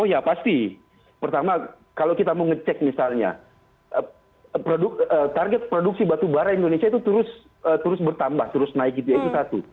oh ya pasti pertama kalau kita mau ngecek misalnya target produksi batubara indonesia itu terus bertambah terus naik gitu ya itu satu